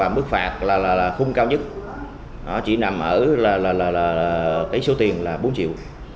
mức phạt là khung cao nhất chỉ nằm ở số tiền là bốn triệu